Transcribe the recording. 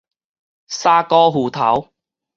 沙鍋魚頭